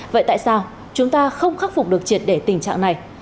vậy tại sao chúng ta không khắc phục được triệt để tình trạng này